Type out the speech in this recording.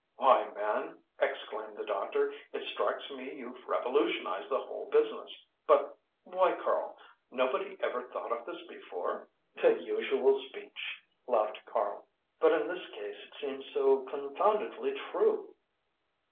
"Why, man," exclaimed the doctor, "it strikes me you've revolutionized the whole business. But why, Karl nobody ever thought of this before?" "The usual speech," laughed Karl. "But in this case it seems so confoundedly true."